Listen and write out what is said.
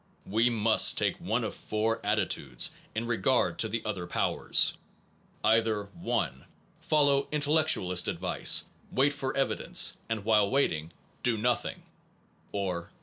We must take one of four attitudes in regard to the other powers : either 1. Follow intellectualist advice: wait for evi dence; and while waiting, do nothing; or 2.